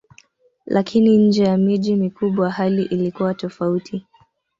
Lakini nje ya miji mikubwa hali ilikuwa tofauti.